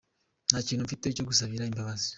Nta kintu mfite cyo gusabira imbabazi.